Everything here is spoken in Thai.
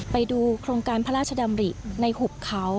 ไปดูโครงการพระราชดำริในหุบเขา